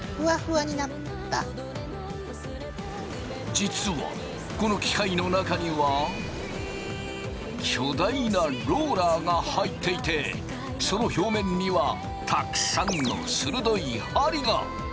実はこの機械の中には巨大なローラーが入っていてその表面にはたくさんの鋭い針が！